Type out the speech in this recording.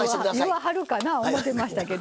言わはるかな思てましてけど。